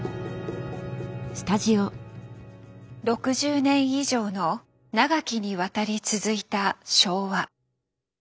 ６０年以上の長きにわたり続いた昭和。